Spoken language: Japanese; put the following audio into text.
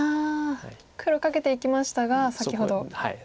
黒カケていきましたが先ほどそこを。